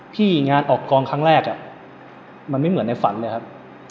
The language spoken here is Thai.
พี่งานออกกองครั้งแรกมันไม่เหมือนในฝันเลยครับ